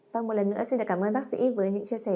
vâng một lần nữa xin cảm ơn bác sĩ với những chia sẻ vừa rồi